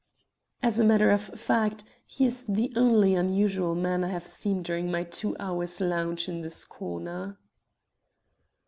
As a matter of fact, he is the only unusual man I have seen during my two hours' lounge in this corner."